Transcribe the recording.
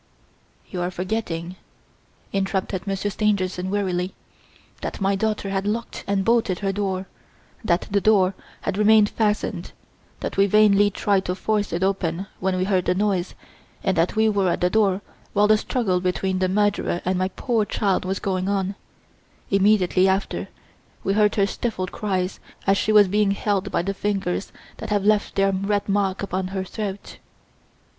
"You are forgetting," interrupted Monsieur Stangerson wearily, "that my daughter had locked and bolted her door, that the door had remained fastened, that we vainly tried to force it open when we heard the noise, and that we were at the door while the struggle between the murderer and my poor child was going on immediately after we heard her stifled cries as she was being held by the fingers that have left their red mark upon her throat.